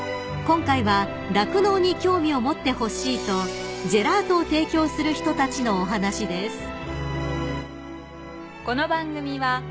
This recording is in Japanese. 今回は酪農に興味を持ってほしいとジェラートを提供する人たちのお話です］